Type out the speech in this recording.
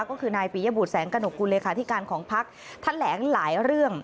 ก็คือนายปียบุษแสงกระหนกกูเลยค่ะที่การของพักธนาคตแถลงหลายเรื่อง